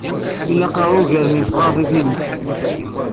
Ilaq-aɣ ugar n yesɣaren i tmes.